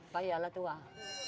faya allah tuhan